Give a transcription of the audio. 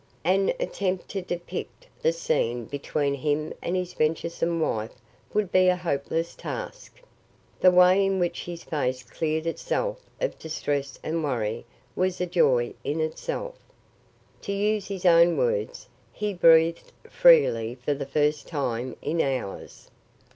An attempt to depict the scene between him and his venturesome wife would be a hopeless task. The way in which his face cleared itself of distress and worry was a joy in itself. To use his own words, he breathed freely for the first time in hours.